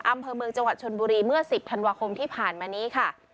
อำเภอเมืองจังหวัดชนบุรีเมื่อ๑๐ธันวาคมที่ผ่านมานี้ค่ะ